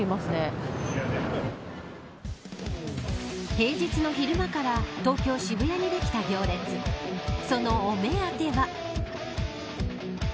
平日の昼間から東京、渋谷にできた行列そのお目当ては。